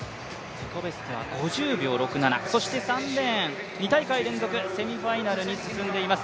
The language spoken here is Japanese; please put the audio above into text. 自己ベストは５０秒６７、そして３レーン２大会連続で予選に進んでいます。